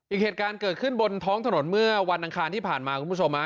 อีกเหตุการณ์เกิดขึ้นบนท้องถนนเมื่อวันอังคารที่ผ่านมาคุณผู้ชม